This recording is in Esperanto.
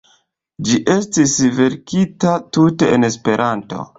Ĝi estis verkita tute en Esperanto.